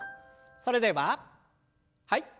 それでははい。